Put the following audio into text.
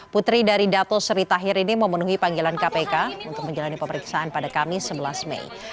putri dari dato sri tahir ini memenuhi panggilan kpk untuk menjalani pemeriksaan pada kamis sebelas mei